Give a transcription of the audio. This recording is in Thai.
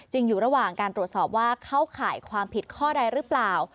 อยู่ระหว่างการตรวจสอบว่าเข้าข่ายความผิดข้อใดหรือเปล่า